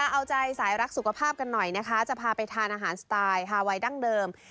เอาใจสายรักสุขภาพกันหน่อยนะคะจะพาไปทานอาหารสไตล์ฮาไวดั้งเดิม